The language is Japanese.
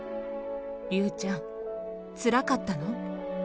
竜ちゃん、つらかったの？